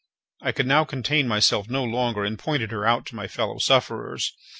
I could now contain myself no longer, and pointed her out to my fellow sufferers.